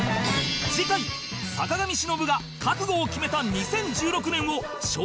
次回坂上忍が覚悟を決めた２０１６年を証言で深掘り